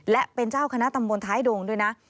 และเป็นเจ้าคณะตำบลท้ายดงด้วยนะ